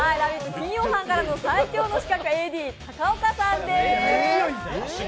金曜班からの最大の刺客、ＡＤ高岡さんです。